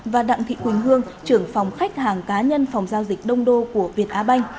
và đặng thị quỳnh hương trưởng phòng khách hàng cá nhân phòng giao dịch đông đô của việt á banh